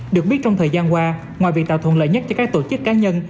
được biết trong thời gian qua ngoài việc tạo thuận lợi nhất cho các tổ chức cá nhân